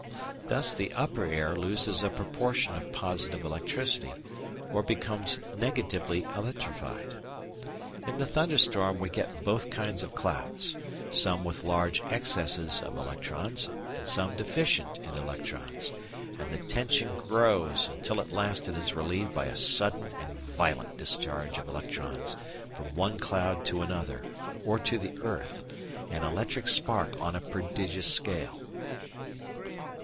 Thus the upper air loses a proportion of positive electricity, or becomes "negatively electrified." In the thunderstorm we get both kinds of clouds some with large excesses of electrons, and some deficient in electrons and the tension grows until at last it is relieved by a sudden and violent discharge of electrons from one cloud to another or to the earth an electric spark on a prodigious scale.